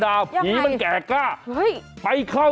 ไม่เอาความเชื่อเรื่องของผีคงผีเข้า